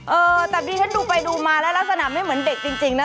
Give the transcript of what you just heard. เออแต่ดิฉันดูไปดูมาแล้วลักษณะไม่เหมือนเด็กจริงนะ